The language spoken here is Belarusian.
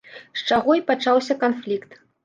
З чаго і пачаўся канфлікт.